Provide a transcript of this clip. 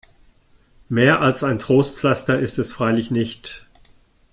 Mehr als ein Trostpflaster ist es freilich nicht.